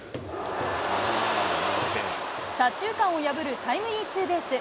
左中間を破るタイムリーツーベース。